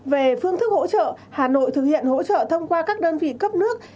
về phương thức hỗ trợ hà nội thực hiện hỗ trợ thông qua các đơn vị cấp nước